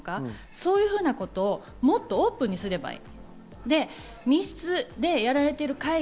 そういうふうなことをもっとオープンにすればいい。